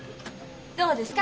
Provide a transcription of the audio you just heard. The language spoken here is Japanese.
どうですか？